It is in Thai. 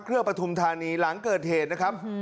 ปฐุมธานีหลังเกิดเหตุนะครับ